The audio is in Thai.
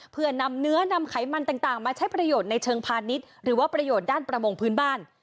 เพื่อนำเนื้อนำไขมันต่างมาใช้ประโยชน์ในเชิงพาณิชย์หรือว่าประโยชน์ด้านประมงพื้นบ้าน